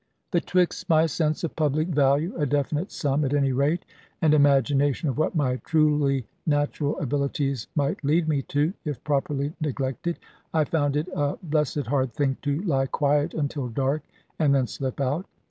Betwixt my sense of public value (a definite sum, at any rate) and imagination of what my truly natural abilities might lead me to, if properly neglected, I found it a blessed hard thing to lie quiet until dark, and then slip out.